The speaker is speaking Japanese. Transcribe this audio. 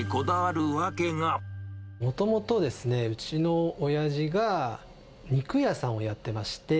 もともとですね、うちのおやじが肉屋さんをやってまして。